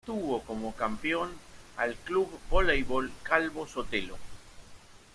Tuvo como campeón al Club Voleibol Calvo Sotelo.